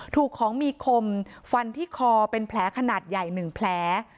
ถูกของมีคมฟันที่คอเป็นแผลขนาดใหญ่๑แผล